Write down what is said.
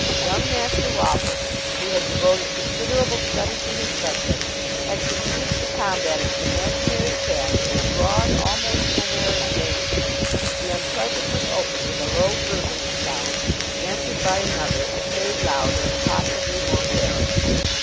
Young Master Waffles, who had devoted considerable study to his subject, had conceived the combat of his imaginary cats in a broad, almost Homeric, vein. The unpleasantness opened with a low gurgling sound, answered by another a shade louder and possibly more querulous.